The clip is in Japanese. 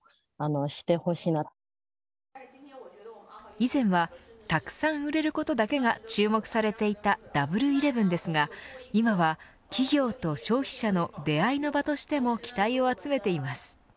以前は、たくさん売れることだけが注目されていたダブルイレブンですが今は企業と消費者の出会いの場としても期待を集めています。